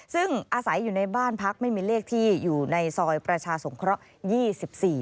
ซึ่งอาศัยอยู่ในบ้านพักไม่มีเลขที่อยู่ในซอยประชาสงเคราะห์๒๔